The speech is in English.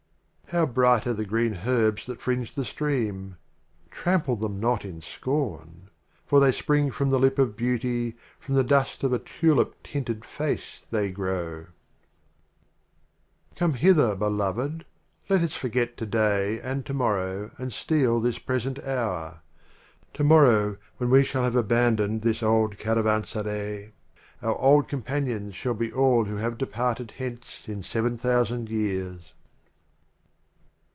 XX. How bright are the Green Herbs that fringe the Stream ! Trample them not in Scorn; For they spring from the Lip of Beauty, From the Dust of a Tulip tinted Face they grow. 56 XXI. Come hither, Beloved, let us forget The Literal To day and To morrow, And steal this Present Hour. To morrow, when we shall have abandoned this Old Caravanserai, Our companions shall be all who have departed hence in Seven Thousand Years.